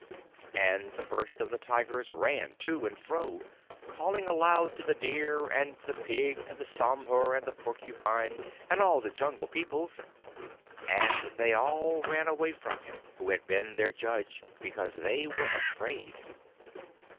And the First of the Tigers ran to and fro, calling aloud to the deer and the pig and the sambhur and the porcupine and all the Jungle Peoples, and they all ran away from him who had been their judge, because they were afraid.